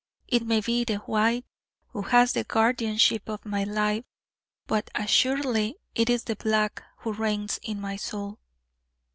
It may be 'the White' who has the guardianship of my life: but assuredly it is 'the Black' who reigns in my soul.